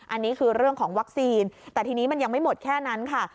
อันนี้คือเรื่องของวัคซีนแต่ทีนี้มันยังไม่หมดแค่นั้นค่ะ